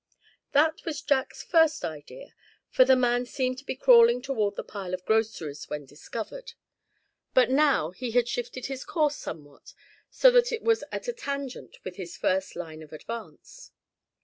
That was Jack's first idea, for the man seemed to be crawling toward the pile of groceries when discovered. But now he had shifted his course somewhat, so that it was at a tangent with his first line of advance.